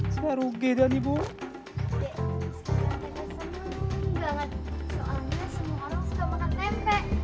sekarang kita seneng banget soalnya semua orang suka makan tempe